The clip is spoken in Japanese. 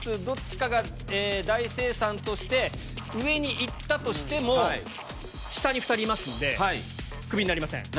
どっちかが大清算として上に行ったとしても下に２人いますんでクビになりません。